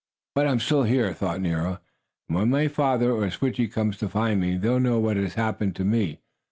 "But I am still here," thought Nero; "and when my father or Switchie comes to find me they will know what has happened to me.